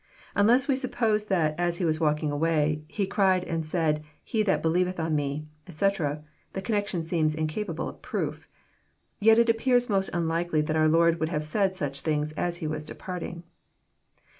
Unless we suppose that as He was walking away, He cried and said, He that belie veth on Me," etc., the connection seems incapable of proof. Yet it appears most unlikely that our Lord would have said such things as he was departing.